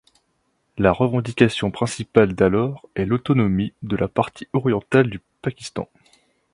La revendication principale d'alors est l'autonomie de la partie orientale du Pakistan.